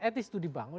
at least itu dibangun